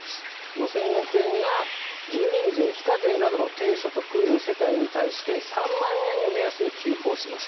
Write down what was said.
５０００億円が住民税非課税などの低所得世帯に対して３万円を目安に給付をします。